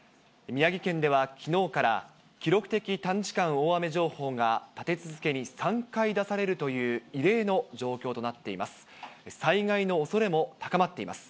宮城県ではきのうから、記録的短時間大雨情報が立て続けに３回出されるという異例の状況となっています。